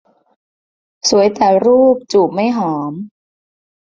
สวยแต่รูป จูบไม่หอม